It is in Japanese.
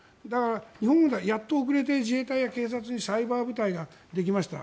日本はやっと、遅れて自衛隊や警察にサイバー部隊ができました。